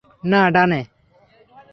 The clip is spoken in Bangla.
না, ডানে।